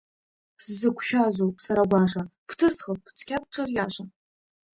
Сзықәшәазоуп, сара гәаша, бҭысхып, цқьа бҽыриаша!